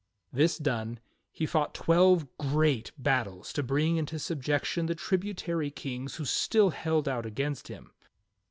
This done, he fought twelve great battles to bring into subjec tion the tributary kings who still held out against him.